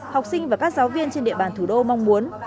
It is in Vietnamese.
học sinh và các giáo viên trên địa bàn thủ đô mong muốn